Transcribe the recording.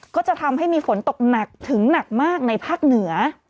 ก็จะทำให้มีฝนตกหนักถึงหนักมากในภาคเหนือ